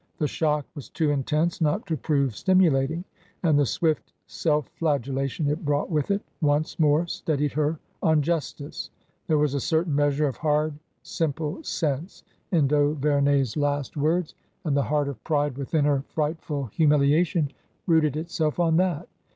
The shock was too intense not to prove stimu lating, and the swift self flagellation it brought with it once more steadied her on justice. There was a certain measure of hard, simple sense in d'Auverney's last words, and the heart of pride within her frightful hu TRANSITION. 279 miliation rooted itself on that.